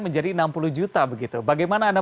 menjadi enam puluh juta begitu bagaimana anda